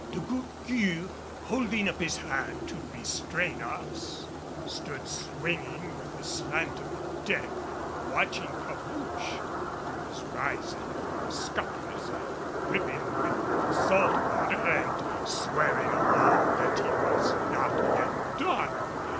De Gourgues, holding up his hand to restrain us, stood swinging with the slant of the deck, watching Cabouche, who was rising from the scuppers, dripping with salt water and swearing aloud that he was not yet done.